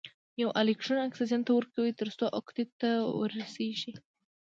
یو الکترون اکسیجن ته ورکوي تر څو اوکتیت ته ورسیږي.